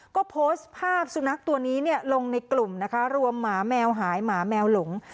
ก็โพสต์ภาพสุนัขตัวนี้ลงในกลุ่มนะคะรวมหมาแมวหายหมาแมวหลง